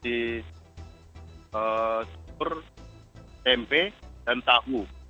di sumur tempe dan tahu